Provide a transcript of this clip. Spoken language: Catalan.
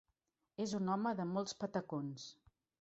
És un home de molts patacons.